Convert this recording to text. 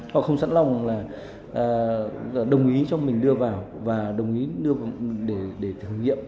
họ không sẵn lòng là đồng ý cho mình đưa vào và đồng ý để thử nghiệm